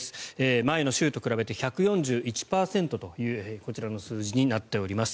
前の週と比べて１４１％というこちらの数字になっております。